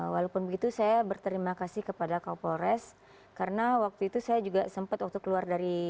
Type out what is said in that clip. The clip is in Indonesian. walaupun begitu saya berterima kasih kepada kapolres karena waktu itu saya juga sempat waktu keluar dari